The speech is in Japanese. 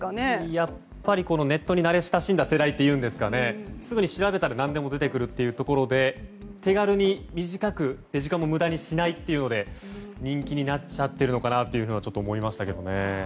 やっぱりネットに慣れ親しんだ世代といいますかすぐに調べたら何でも出てくるというところで手軽に短く時間も無駄にしないということで人気になっちゃっているのかなとは思いましたけどね。